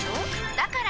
だから！